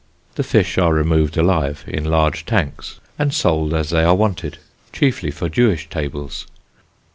The fish are removed alive, in large tanks, and sold as they are wanted, chiefly for Jewish tables.